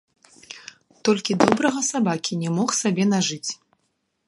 Толькі добрага сабакі не мог сабе нажыць.